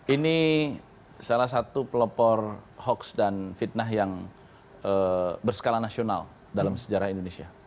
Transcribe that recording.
ini salah satu pelopor hoax dan fitnah yang berskala nasional dalam sejarah indonesia